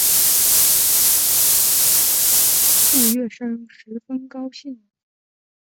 杜月笙十分高兴。